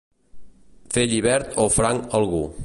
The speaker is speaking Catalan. Fer llibert o franc algú.